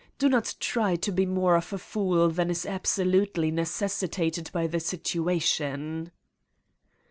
Do not try to be more of a fool than is abso lutely necessitated by the situation."